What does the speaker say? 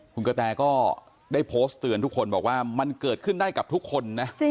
คุณกะแตก็ได้โพสต์เตือนทุกคนบอกว่ามันเกิดขึ้นได้กับทุกคนนะ